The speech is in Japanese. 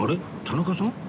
田中さん？